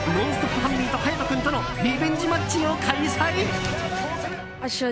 ファミリーと勇人君とのリベンジマッチを開催。